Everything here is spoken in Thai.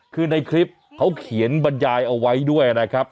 คือในคลิปเขาเขียนบรรยายเอาไว้ด้วยนะครับ